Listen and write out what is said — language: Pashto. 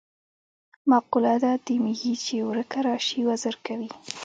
مقوله ده: د میږي چې ورکه راشي وزر کوي.